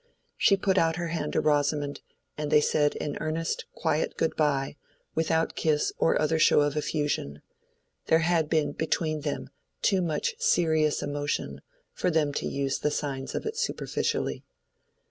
She put out her hand to Rosamond, and they said an earnest, quiet good by without kiss or other show of effusion: there had been between them too much serious emotion for them to use the signs of it superficially.